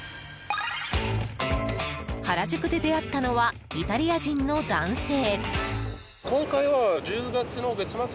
原宿で出会ったのはイタリア人の男性。